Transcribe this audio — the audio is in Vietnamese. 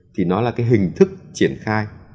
thì nó là cái hình thức triển khai